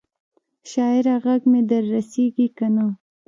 شاعره ږغ مي در رسیږي کنه؟